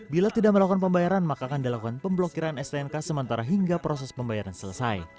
bila tidak melakukan pembayaran maka akan dilakukan pemblokiran stnk sementara hingga proses pembayaran selesai